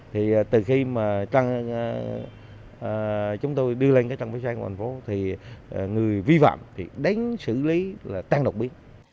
thì từ khi mà chúng tôi đưa lên cái trang vi phạm của thành phố thì người vi phạm thì đánh xử lý là tăng độc bí